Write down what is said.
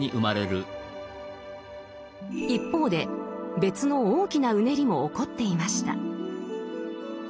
一方で別の大きなうねりも起こっていました。